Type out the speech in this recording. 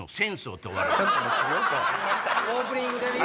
オープニングで。